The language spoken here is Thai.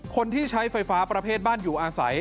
คนที่ใช้ไฟฟ้าประเภทบ้านอยู่อาศัย